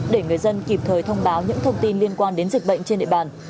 để người dân kịp thời thông báo những thông tin liên quan đến dịch bệnh trên địa bàn